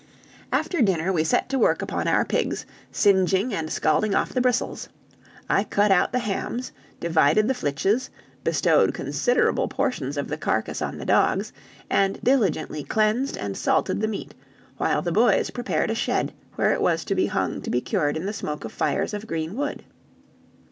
After dinner we set to work upon our pigs, singeing and scalding off the bristles; I cut out the hams, divided the flitches, bestowed considerable portions of the carcass on the dogs, and diligently cleansed and salted the meat, while the boys prepared a shed, where it was to be hung to be cured in the smoke of fires of green wood.